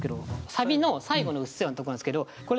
サビの最後の「うっせぇわ」のとこなんですけどこれ。